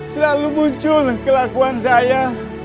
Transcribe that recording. selalu muncul kelakuan saya